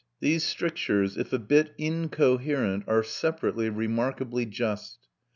These strictures, if a bit incoherent, are separately remarkably just.